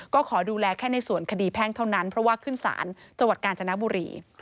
ก็ขอดูแลแค่ในส่วนคดีแพ่งเท่านั้นเพราะว่าขึ้นศาลจังหวัดกาญจนบุรี